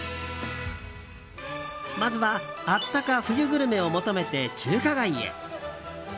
まずはあったか冬グルメを求めて中華街へ。